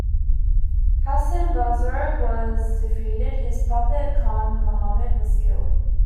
Hasan Buzurg was defeated; his puppet khan, Muhammed, was killed.